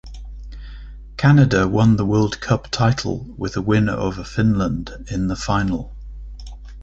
Canada won the World Cup title with a win over Finland in the final.